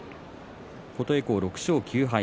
琴恵光、６勝９敗